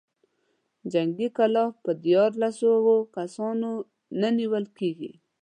جنګي کلا په ديارلسو سوو کسانو نه نېول کېږي.